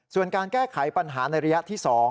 ส่วนการแก้ไขปัญหาในระยะที่๒